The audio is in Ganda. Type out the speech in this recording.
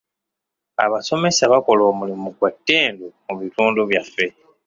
Abasomesa bakola omulimu gwa ttendo mu bitundu byaffe.